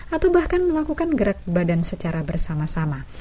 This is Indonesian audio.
atau bahkan melakukan gerak badan secara bersama sama